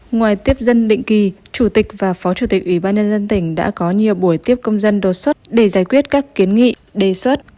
ngoài tiếp dân định kỳ chủ tịch và phó chủ tịch ủy ban nhân dân tỉnh đã có nhiều buổi tiếp công dân đột xuất để giải quyết các kiến nghị đề xuất